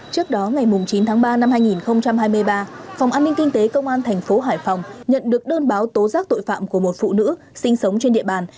trước đó ngày chín tháng ba năm hai nghìn hai mươi ba phòng an ninh kinh tế công an thành phố hải phòng nhận được đơn báo tố giác tội phạm của một phụ nữ sinh sống trên địa bàn